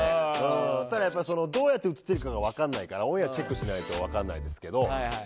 ただ、どうやって映ってるか分かんないからオンエアチェックしないと分かんないけど。